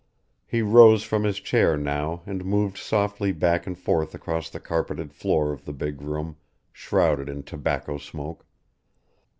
He rose from his chair now and moved softly back and forth across the carpeted floor of the big room, shrouded in tobacco smoke.